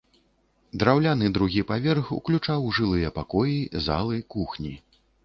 Драўляны другі паверх уключаў жылыя пакоі, залы, кухні.